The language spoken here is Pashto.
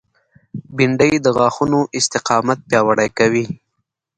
بېنډۍ د غاښونو استقامت پیاوړی کوي